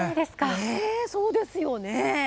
そうですよね。